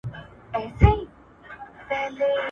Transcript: زه هڅه کوم د ماشومانو لپاره صحي او تازه سنکس چمتو کړم.